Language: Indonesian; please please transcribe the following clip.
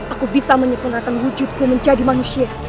aku bisa menyempurnakan wujudku menjadi manusia